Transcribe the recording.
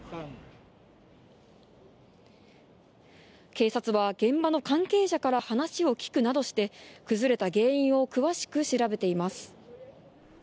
警察は、現場の関係者から話を聞くなどして崩れた原因を詳しく調べています。